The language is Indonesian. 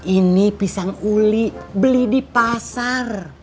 ini pisang uli beli di pasar